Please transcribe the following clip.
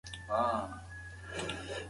هغه وویل چې د سپکو خوړو لپاره اعلانونه مهم دي.